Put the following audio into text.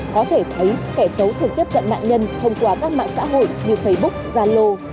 có thể thấy kẻ xấu thường tiếp cận nạn nhân thông qua các mạng xã hội như facebook zalo